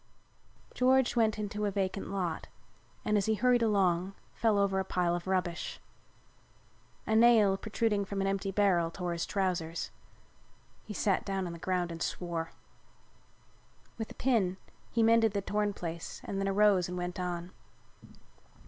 George went into a vacant lot and, as he hurried along, fell over a pile of rubbish. A nail protruding from an empty barrel tore his trousers. He sat down on the ground and swore. With a pin he mended the torn place and then arose and went on.